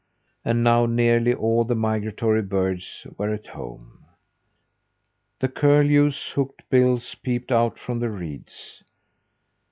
And now nearly all the migratory birds were at home. The curlews' hooked bills peeped out from the reeds.